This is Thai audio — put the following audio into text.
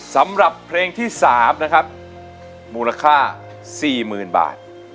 สำหรับเพลงที่สามนะครับมูลค่าสี่หมื่นบาท